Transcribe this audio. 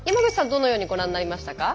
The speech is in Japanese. どのようにご覧になりましたか？